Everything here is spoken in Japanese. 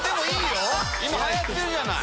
今流行ってるじゃない！